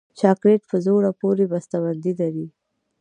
چاکلېټ په زړه پورې بسته بندي لري.